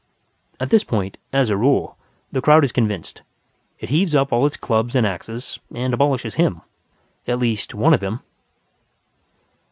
At this point, as a rule, the crowd is convinced; it heaves up all its clubs and axes, and abolishes him. At least, one of him.